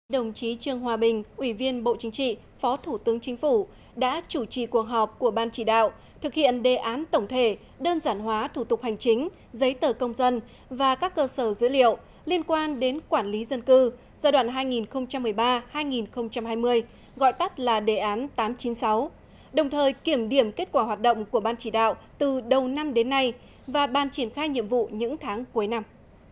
đồng chí trương hòa bình ủy viên bộ chính trị phó thủ tướng chính phủ đã chủ trì cuộc họp của ban chỉ đạo thực hiện đề án tổng thể đơn giản hóa thủ tục hành chính giấy tờ công dân và các cơ sở dữ liệu liên quan đến quản lý dân cư giai đoạn hai nghìn một mươi ba hai nghìn hai mươi gọi tắt là đề án tám trăm chín mươi sáu đồng thời kiểm điểm kết quả hoạt động của ban chỉ đạo từ đầu năm đến nay và ban triển khai nhiệm vụ những tháng cuối năm